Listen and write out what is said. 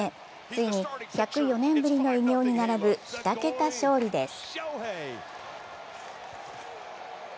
ついに１０４年ぶりの偉業に並ぶ２桁勝利です。